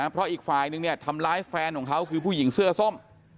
เพราะอีกฝ่ายนึงเนี่ยทำร้ายแฟนของเขาคือผู้หญิงเสื้อส้ม